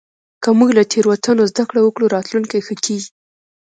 که موږ له تېروتنو زدهکړه وکړو، راتلونکی ښه کېږي.